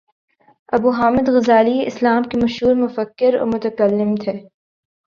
ابو Hamid Ghazali اسلام کے مشہور مفکر اور متکلم تھے